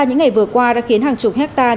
những ngày vừa qua đã khiến hàng chục hectare